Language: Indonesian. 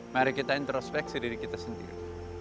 mari kita introspeksi diri kita sendiri